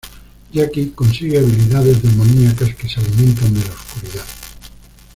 Jackie consigue habilidades demoníacas que se alimentan de la oscuridad.